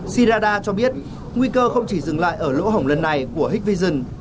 sirada cho biết nguy cơ không chỉ dừng lại ở lỗ hổng lần này của hikvision